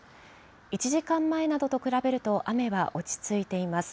１時間前などと比べると、雨は落ち着いています。